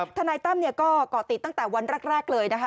ทนายตั้มก็ก่อติดตั้งแต่วันแรกเลยนะคะ